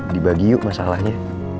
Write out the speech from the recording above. dibagi yuk masalahnya